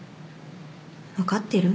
分かってる？